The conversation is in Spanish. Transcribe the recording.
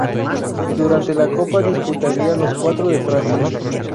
Durante la copa disputaría los cuatro de Francia.